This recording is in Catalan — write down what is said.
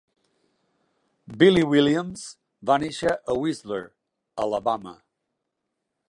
Billy Williams va néixer a Whistler, Alabama.